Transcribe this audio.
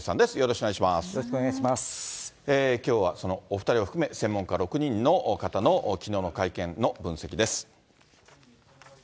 きょうは、そのお２人を含め、専門家６人の方のきのうの会見の分析です。